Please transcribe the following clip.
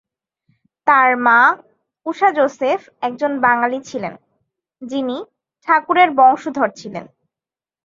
তাঁর মা উষা জোসেফ একজন বাঙালি ছিলেন, যিনি ঠাকুরের বংশধর ছিলেন।